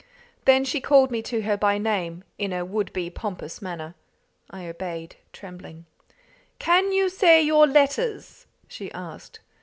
Then she called me to her by name in a would be pompous manner. I obeyed, trembling. "Can you say your letters?" she asked.